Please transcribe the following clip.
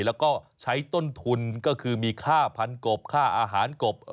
แล้วก็ใช้ต้นทุนก็คือมีค่าพันกบค่าอาหารกบ